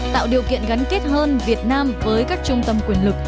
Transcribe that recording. tạo điều kiện gắn kết hơn việt nam với các trung tâm quyền lực